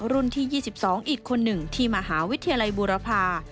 รุ่นที่๒๒อีกคนหนึ่งที่มหาวิทยาลัยบูรพา